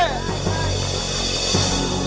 คุณเต้